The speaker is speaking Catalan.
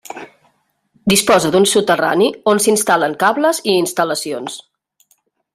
Disposa d'un soterrani on s'instal·len cables i instal·lacions.